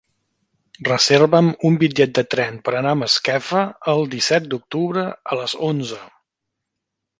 Reserva'm un bitllet de tren per anar a Masquefa el disset d'octubre a les onze.